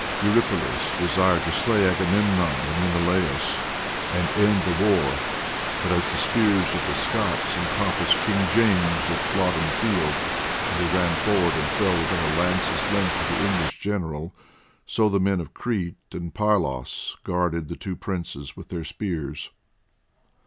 Eurypylus desired to slay Agamemnon and Menelaus, and end the war, but, as the spears of the Scots encompassed King James at Flodden Field till he ran forward, and fell within a lance's length of the English general, so the men of Crete and Pylos guarded the two princes with their spears.